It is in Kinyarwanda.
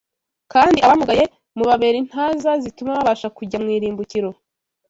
kandi abamugaye mubabera intaza zituma babasha kujya mu irimbukiro